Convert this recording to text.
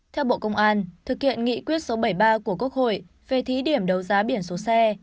theo bộ công an thực hiện nghị quyết số bảy mươi ba của quốc hội về thí điểm đấu giá biển số xe